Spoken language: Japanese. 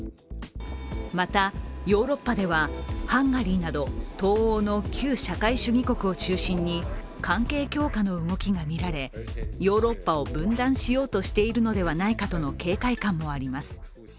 またヨーロッパではハンガリーなど東欧の旧社会主義国を中心に関係強化の動きが見られ、ヨーロッパを分断しようとしているのではとの警戒感もあります。